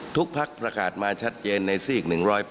ทุกพักประกาศมาชัดเจนในสีก๑๘๘